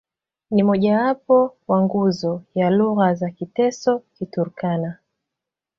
Ni mmojawapo wa nguzo ya lugha za Kiteso-Kiturkana.